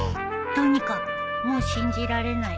とにかくもう信じられないよ。